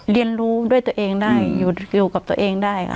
เรียนรู้ด้วยตัวเองได้อยู่กับตัวเองได้ค่ะ